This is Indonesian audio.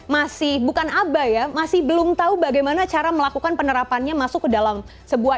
masih bukan abai ya masih belum tahu bagaimana cara melakukan penerapannya masuk ke dalam sebuah